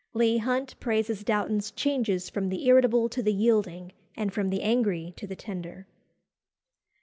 Leigh Hunt praises Dowton's changes from the irritable to the yielding, and from the angry to the tender.